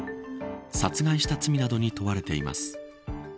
殺害した罪などに問われています。